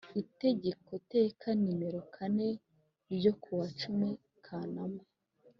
Itegeko teka nimero kane ryo ku wa cumi Kanama